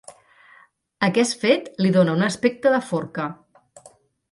Aquest fet li dóna un aspecte de forca.